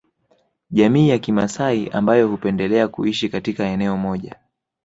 Jamii ya kimasai ambayo hupendelea kuishi katika eneo moja